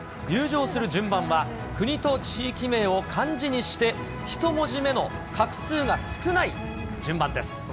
入場する順番は、国と地域名を漢字にして、１文字目の画数が少ない順番です。